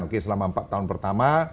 oke selama empat tahun pertama